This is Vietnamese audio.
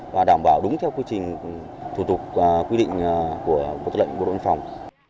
và đảm bảo đúng theo quy trình thủ tục quy định của bộ tư lệnh bộ độn phòng